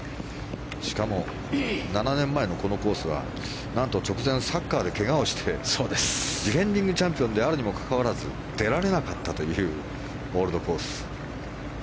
しかも、７年前のこのコースは何と直前にサッカーでけがをしてディフェンディングチャンピオンであるにもかかわらず出られなかったというオールドコース。